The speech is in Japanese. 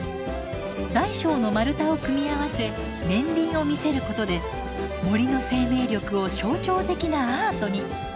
大小の丸太を組み合わせ年輪を見せることで森の生命力を象徴的なアートに。